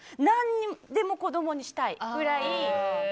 何でも子供にしたいくらい。